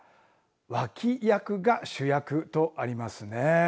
脇役が主役とありますね。